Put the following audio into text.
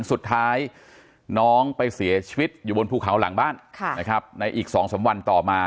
สุดท้ายน้องไปเสียชีวิตอยู่บนภูเขาหลังบ้านในอีก๒๓วันต่อมา